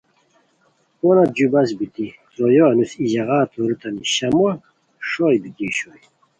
پونہ جُو بس بیتی ترویو انوس ای ژاغا تورتانی شامو سوئے بیتی اوشوئے